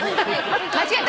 間違えた。